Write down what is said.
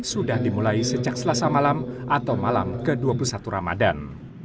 sudah dimulai sejak selasa malam atau malam ke dua puluh satu ramadan